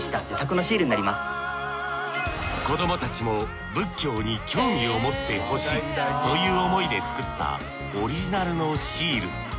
子どもたちも仏教に興味を持ってほしいという思いで作ったオリジナルのシール。